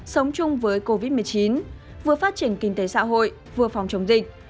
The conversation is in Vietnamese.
sống chung với covid một mươi chín vừa phát triển kinh tế xã hội vừa phòng chống dịch